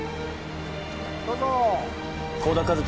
どうぞ。